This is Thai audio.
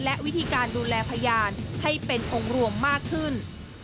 และวิธีการดูแลพยานให้เป็นองค์รวมมากขึ้น